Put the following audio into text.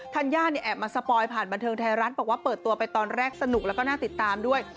ย่าเนี่ยแอบมาสปอยผ่านบันเทิงไทยรัฐบอกว่าเปิดตัวไปตอนแรกสนุกแล้วก็น่าติดตามด้วย